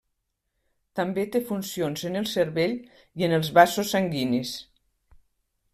També té funcions en el cervell i en els vasos sanguinis.